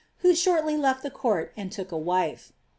Who shortly left the court and took a wife.